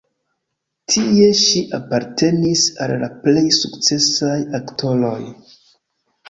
Tie ŝi apartenis al la plej sukcesaj aktoroj.